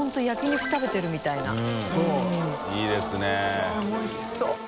うわぁおいしそう。